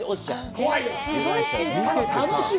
怖い。